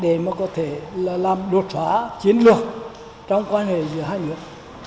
trong đó thì có thể là làm đột phá chiến lược trong quan hệ giữa hai nước